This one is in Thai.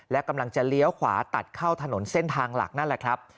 และกำลังจะเลี้ยวขวาตัดเข้าถนนเส้นทางหลักนั่นแหละครับ